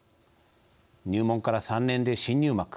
入門から３年で新入幕